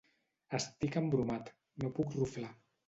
Estic embromat: no puc ruflar.